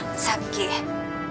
さっき。